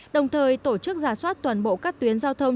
đồng thời tổ chức giả soát toàn bộ các tuyến giao thông